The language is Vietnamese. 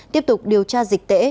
tiếp tục điều tra dịch tễ